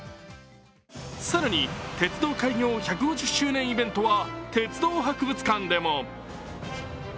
更に鉄道開業１５０周年イベントは鉄道博物館でも。